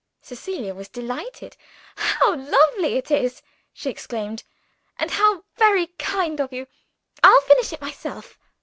Cecilia was delighted. "How lovely it is!" she exclaimed. "And how very kind of you! I'll finish it myself."